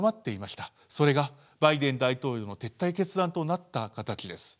それがバイデン大統領の撤退決断となった形です。